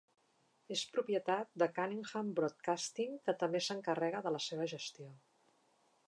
És propietat de Cunningham Broadcasting que també s'encarrega de la seva gestió.